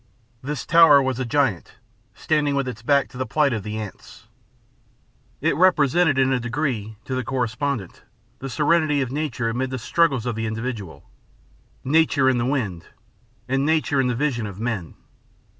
This tower was a giant, standing with its back to the plight of the ants. It represented in a degree, to the correspondent, the serenity of nature amid the struggles of the individual nature in the wind, and nature in the vision of men.